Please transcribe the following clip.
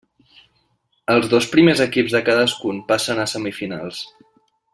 Els dos primers equips de cadascuna passen a semifinals.